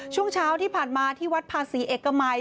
ช่วงเช้าที่ผ่านมาที่วัดภาษีเอกมัย